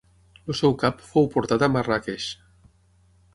El seu cap fou portat a Marràqueix.